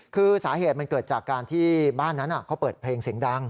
คือสาเหตุมันเกิดจากการที่บ้านนั้นเขาเปิดเพลงเสียงดัง